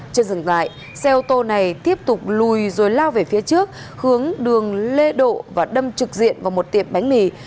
trên dừng lại xe ô tô này tiếp tục lùi rồi lao về phía trước hướng đường lê độ và đâm trực diện vào một tiệm bánh mì